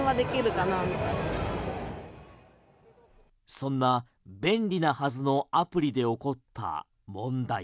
そんな、便利なはずのアプリで起こった問題。